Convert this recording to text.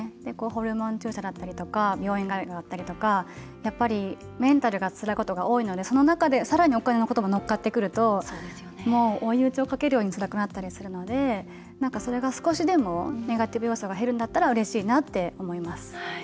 ホルモン注射だったりとか病院通いだったりとかやっぱりメンタルがつらいことが多いのでそこにさらにお金のことが乗っかってくると追い打ちをかけるようにつらくなったりするのでそれが、少しでもネガティブ要素が減るんだったらうれしいなって思います。